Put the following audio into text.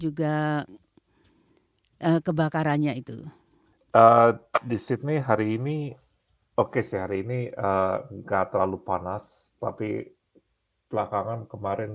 juga kebakarannya itu di sydney hari ini oke sehari ini enggak terlalu panas tapi belakangan kemarin